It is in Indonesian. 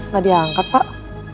gak diangkat pak